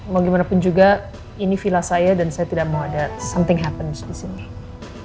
bagaimanapun juga ini villa saya dan saya tidak mau ada something happens di sini